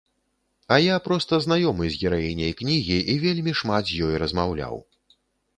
А я проста знаёмы з гераіняй кнігі і вельмі шмат з ёй размаўляў.